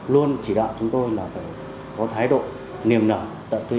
lãnh đạo chúng tôi là phải có thái độ niềm nở tận tụy